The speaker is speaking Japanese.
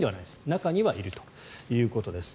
中にはいるということです。